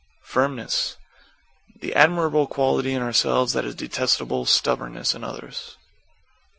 =FIRMNESS= That admirable quality in ourselves that is detestable stubbornness in others.